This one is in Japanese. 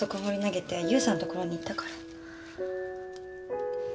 放り投げて優さんのところに行ったから。